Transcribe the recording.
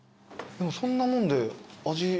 そんなもんで味。